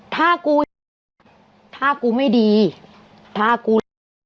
ถ้ากูถ้ากูไม่ดีถ้ากู